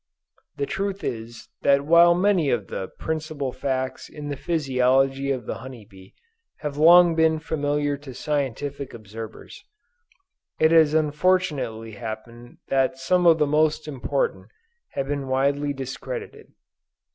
The truth is that while many of the principal facts in the physiology of the honey bee have long been familiar to scientific observers, it has unfortunately happened that some of the most important have been widely discredited.